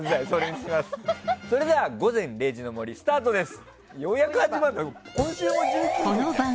それでは「午前０時の森」スタートです。